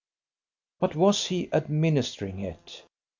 But was he administering it?